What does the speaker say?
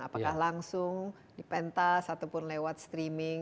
apakah langsung di pentas ataupun lewat streaming